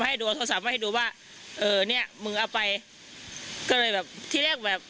ให้ดูโทรสาบันให้ดูว่าเนี่ยมือเอาไปก็เลยแบบที่เรียกแบบ